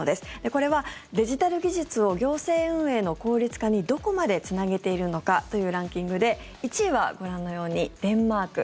これはデジタル技術を行政運営の効率化にどこまでつなげているのかというランキングで１位はご覧のようにデンマーク。